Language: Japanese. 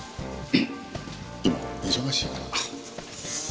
今忙しいから。